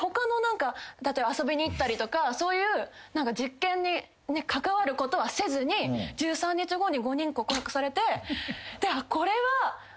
例えば遊びに行ったりとかそういう関わることはせずに１３日後に５人告白されて。